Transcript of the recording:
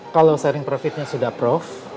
kalau sharing profitnya sudah prof